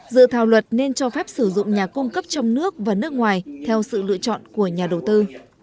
dự thảo luật nên cho phép sử dụng nhà cung cấp trong nước và nước ngoài theo sự lựa chọn của nhà đầu tư